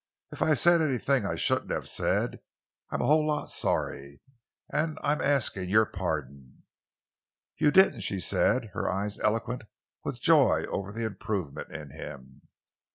If I said anything I shouldn't have said, I'm a whole lot sorry. And I'm asking your pardon." "You didn't," she said, her eyes eloquent with joy over the improvement in him.